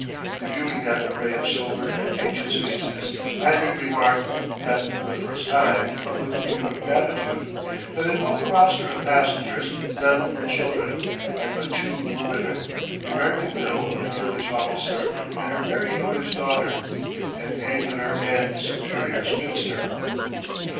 Reviewing that array of sobered and anxious faces, Lanyard remarked not for the first time, but with renewed gratitude that in all the roster of passengers none were children and but two were women: the American widow of an English officer and her very English daughter, an angular and superior spinster.